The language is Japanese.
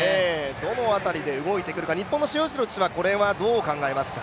どの辺りで動いてくるか、日本の塩尻はどう考えますか？